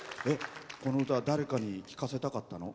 この歌は誰かに聴かせたかったの？